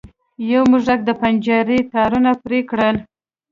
یو موږک د پنجرې تارونه پرې کړل.